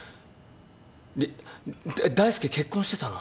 り大介結婚してたの？